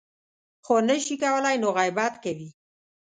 خو نه شي کولی نو غیبت کوي .